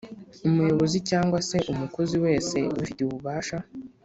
Umuyobozi cyangwa se umukozi wese ubifitiye ububasha